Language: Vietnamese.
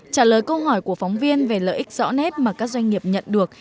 trả lời câu hỏi của phóng viên về lợi ích rõ nét mà các doanh nghiệp nhận được